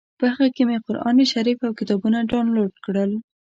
په هغه کې مې قران شریف او کتابونه ډاونلوډ کړل.